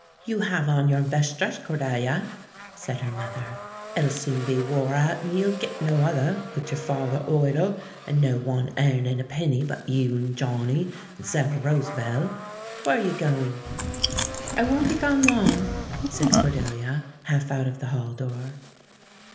"You have on your besht dresh, Cordalia," said her mother. "It'll soon be wore out, an' ye'll git no other, wid your father oidle, an' no wan airnin' a pinny but you an' Johnny an' Sarah Rosabel. Fwhere are ye goin'?" "I won't be gone long," said Cordelia, half out of the hall door.